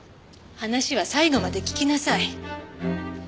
話は最後まで聞きなさい。